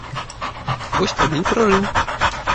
Вось табе і прарыў!